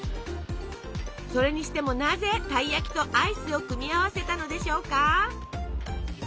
それにしてもなぜたい焼きとアイスを組み合わせたのでしょうか？